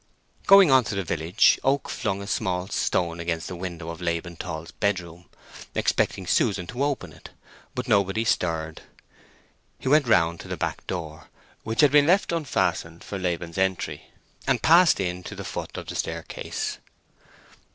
Going on to the village, Oak flung a small stone against the window of Laban Tall's bedroom, expecting Susan to open it; but nobody stirred. He went round to the back door, which had been left unfastened for Laban's entry, and passed in to the foot of the staircase.